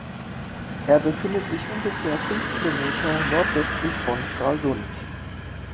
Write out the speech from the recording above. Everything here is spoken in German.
Er befindet sich ungefähr fünf Kilometer nordwestlich von Stralsund.